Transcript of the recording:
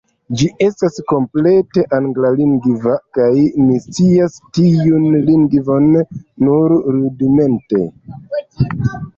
Ĝi estas komplete anglalingva – kaj mi scias tiun ĉi lingvon nur rudimente.